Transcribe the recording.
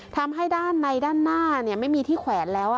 ทำให้ด้านในด้านหน้าไม่มีที่แขวนแล้ว